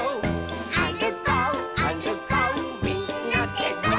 「あるこうあるこうみんなでゴー！」